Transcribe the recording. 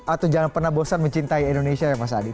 atau jangan pernah bosan mencintai indonesia ya mas adi